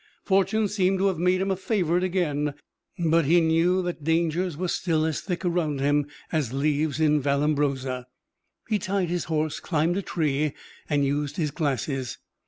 Fortune seemed to have made him a favorite again, but he knew that dangers were still as thick around him as leaves in Vallombrosa. He tied his horse, climbed a tree, and used his glasses.